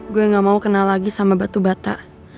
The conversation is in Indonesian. gue gak mau kenal lagi sama batu bata